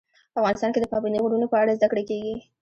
افغانستان کې د پابندي غرونو په اړه زده کړه کېږي.